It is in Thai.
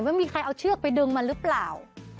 ไม่มีใครเอาเชือกไปดึงมันหรือเปล่า